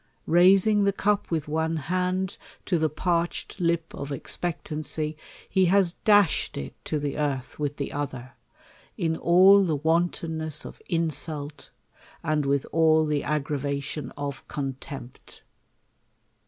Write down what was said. Raising the cup with one hand to the parched lip of expectancy, he has dashed it to the earth with the other, in all the wantonness of insult, and with all the aggravation of contempt.